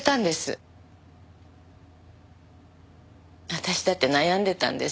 私だって悩んでたんです。